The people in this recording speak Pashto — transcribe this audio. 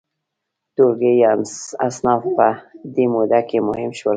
ټولګي یا اصناف په دې موده کې مهم شول.